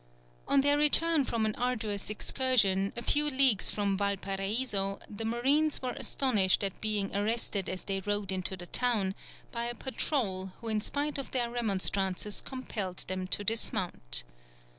On their return from an arduous excursion, a few leagues from Valparaiso, the marines were astonished at being arrested as they rode into the town, by a patrol, who in spite of their remonstrances compelled them to dismount.